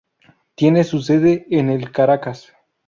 Tiene su sede en el Caracas.